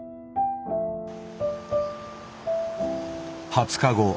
２０日後。